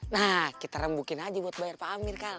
nah kita rembukin aja buat bayar pak amir karl